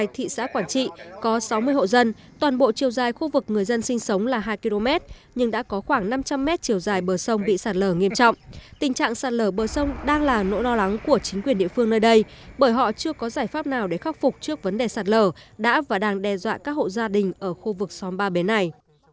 tình trạng sạt lở bờ sông ở đây bởi họ chưa có giải pháp nào để khắc phục trước vấn đề sạt lở đã và đang đe dọa các hộ gia đình ở khu vực xóm ba bến này